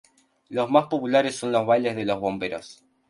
Los más populares son los bailes de los bomberos.